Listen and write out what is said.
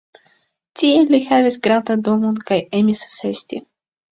Tie li havis grandan domon kaj emis festi.